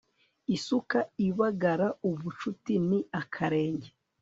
isuka ibagara ubucuti ni akarenge